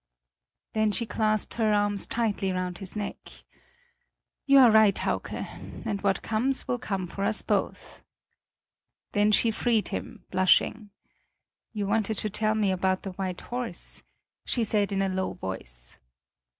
Then she clasped her arms tightly round his neck: "You are right, Hauke, and what comes, will come for us both." Then she freed him, blushing. "You wanted to tell me about the white horse," she said in a low voice.